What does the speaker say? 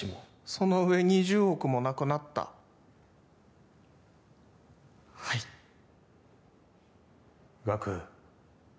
そのうえ２０億もなくなったはいガク